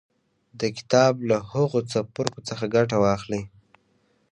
د کتاب له هغو څپرکو څخه ګټه واخلئ